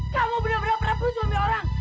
kamu benar benar beratus suami orang